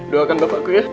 doakan bapakku ya